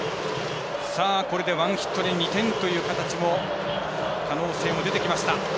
これでワンヒットで２点という形も可能性も出てきました。